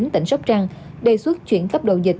tỉnh sóc trăng đề xuất chuyển cấp độ dịch